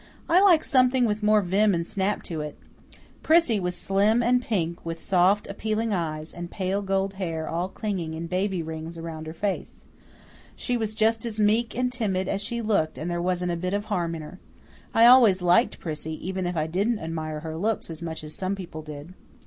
I like something with more vim and snap to it. Prissy was slim and pink, with soft, appealing blue eyes, and pale gold hair all clinging in baby rings around her face. She was just as meek and timid as she looked and there wasn't a bit of harm in her. I always liked Prissy, even if I didn't admire her looks as much as some people did.